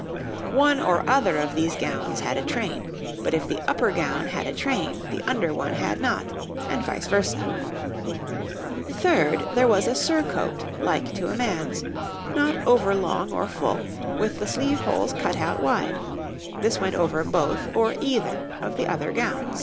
One or other of these gowns had a train, but if the upper gown had a train the under one had not, and vice versâ. Third, there was a surcoat like to a man's, not over long or full, with the sleeve holes cut out wide; this went over both or either of the other gowns.